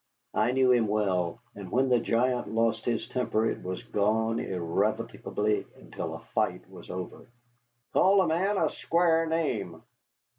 I knew him well, and when the giant lost his temper it was gone irrevocably until a fight was over. "Call a man a squar' name."